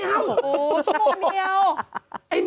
โธ่โธ่โธ่ชั่วโมงเดียว